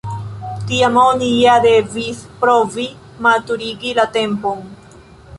Tiam oni ja devis provi maturigi la tempon.